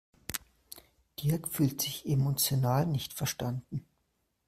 Dirk fühlt sich emotional nicht verstanden.